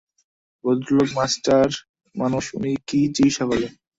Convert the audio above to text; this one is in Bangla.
ভদ্রলোক মাস্টার মানুষ, উনি কী চিকিৎসা করবেন?